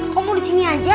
kamu mau disini aja